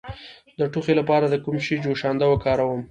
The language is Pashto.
د ټوخي لپاره د کوم شي جوشانده وکاروم؟